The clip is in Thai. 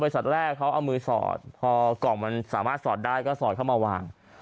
แรกเขาเอามือสอดพอกล่องมันสามารถสอดได้ก็สอดเข้ามาวาง